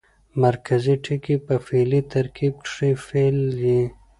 مرکزي ټکی په فعلي ترکیب کښي فعل يي.